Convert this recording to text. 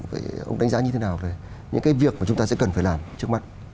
vậy ông đánh giá như thế nào về những cái việc mà chúng ta sẽ cần phải làm trước mắt